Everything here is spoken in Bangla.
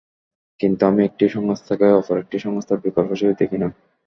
কিন্তু আমি একটি সংস্থাকে অপর একটি সংস্থার বিকল্প হিসেবে দেখি না।